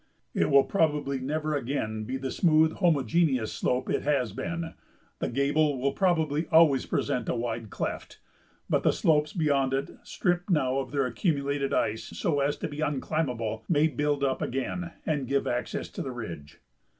It will probably never again be the smooth, homogeneous slope it has been; "the gable" will probably always present a wide cleft, but the slopes beyond it, stripped now of their accumulated ice so as to be unclimbable, may build up again and give access to the ridge.